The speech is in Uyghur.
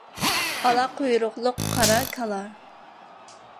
ئالا قۇيرۇقلۇق قارا كالا.